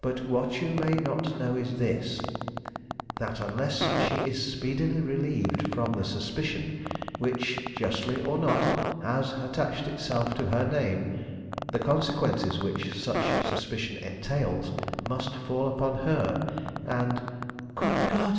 But what you may not know is this, that unless she is speedily relieved from the suspicion which, justly or not, has attached itself to her name, the consequences which such suspicion entails must fall upon her, and " "Good God!"